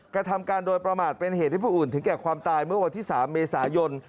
กระทำการโดยประมาทเป็นเหตุให้ผู้อื่นถึงแก่ความตายเมื่อวันที่๓เมษายน